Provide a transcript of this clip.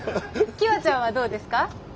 きわちゃんはどうですか？